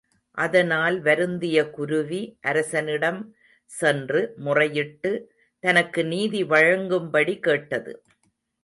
அதனால் வருந்திய குருவி, அரசனிடம் சென்று முறையிட்டு, தனக்கு நீதி வழங்கும்படி கேட்டது.